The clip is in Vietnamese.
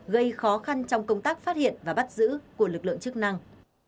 gây khó khăn trong công tác phát hiện và bắt giữ của lực lượng chức năng